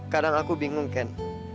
kadang aku bingung ken